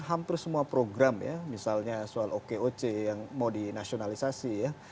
hampir semua program ya misalnya soal okoc yang mau dinasionalisasi ya